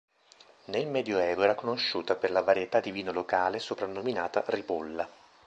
Nel Medioevo era conosciuta per la varietà di vino locale soprannominata "ribolla".